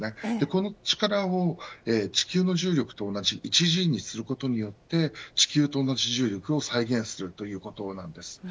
この力を地球の重力と同じ１Ｇにすることによって地球と同じ重力を再現することなんです。